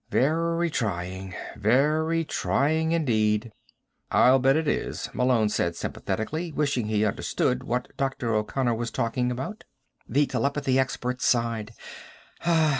Very trying. Very trying indeed." "I'll bet it is," Malone said sympathetically, wishing he understood what Dr. O'Connor was talking about. The telepathy expert sighed.